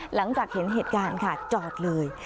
หลังจากเห็นเหตุการณ์ค่ะจอดเลย